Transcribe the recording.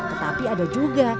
tetapi ada juga